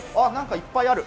いっぱいある！